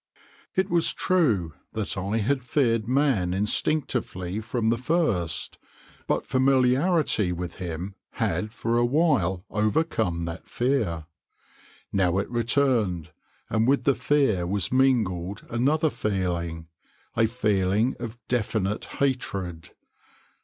It was true that I had feared man instinctively from the first, but familiarity with him had for a while overcome that fear. Now it returned, and with the fear was mingled another feeling a feeling of definite hatred.